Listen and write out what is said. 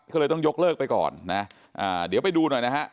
ก็เลยต้องยกเลิกไปก่อนนะเดี๋ยวไปดูหน่อยนะฮะ